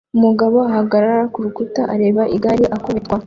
Umugabo ahagarara ku rutare areba igare akubitwa